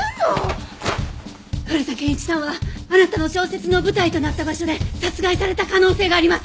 古田憲一さんはあなたの小説の舞台となった場所で殺害された可能性があります！